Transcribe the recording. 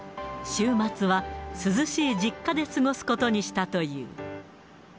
週末は涼しい実家で過ごすことにしたという。